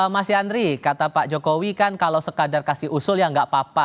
mas yandri kata pak jokowi kan kalau sekadar kasih usul ya nggak apa apa